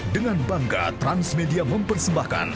dengan bangga transmedia mempersembahkan